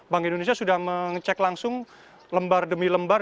bank indonesia sudah mengecek langsung lembar demi lembar